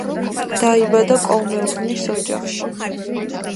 დაიბადა კოლმეურნის ოჯახში.